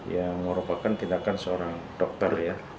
yang merupakan tindakan seorang dokter ya